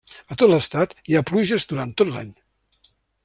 A tot l'estat hi ha pluges durant tot l'any.